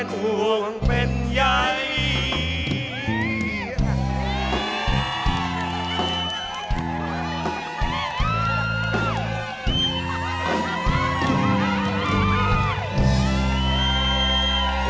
จบแล้วจบแล้ว